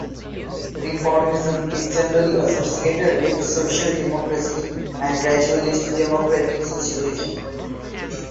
Reformism is generally associated with social democracy and gradualist democratic socialism.